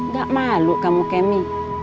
gak malu kamu kemi